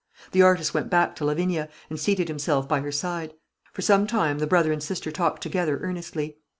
The artist went back to Lavinia, and seated himself by her side. For some time the brother and sister talked together earnestly.